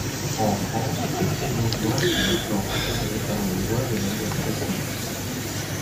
En France, de tels mouvements sont maintenant encadrés par la loi de manière précise.